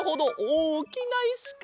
おおきないしか。